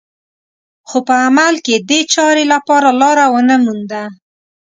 خو په عمل کې دې چارې لپاره لاره ونه مونده